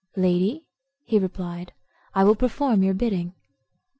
"Lady," he replied, "I will perform your bidding."